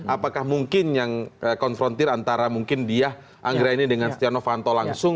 apakah mungkin yang konfrontir antara mungkin dia anggraini dengan setia novanto langsung